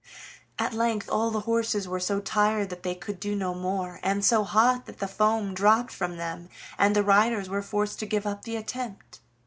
At length all the horses were so tired that they could do no more, and so hot that the foam dropped from them and the riders were forced to give up the attempt.